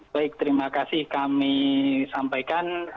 baik terima kasih kami sampaikan